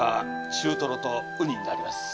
中トロとウニになります。